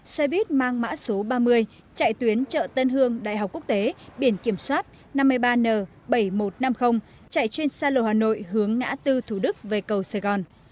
xe buýt mang mã số ba mươi chạy tuyến chợ tân hương đại học quốc tế biển kiểm soát năm mươi ba n bảy nghìn một trăm năm mươi chạy trên xa lộ hà nội hướng ngã tư thủ đức về cầu sài gòn